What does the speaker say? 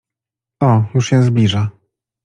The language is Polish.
O, już się zbliża!